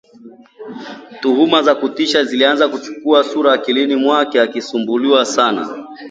Tuhuma za kutisha zilianza kuchukua sura akilini mwake, zikimsumbua sana